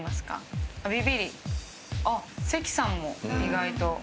あっ関さんも意外と。